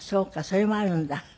それもあるんだ。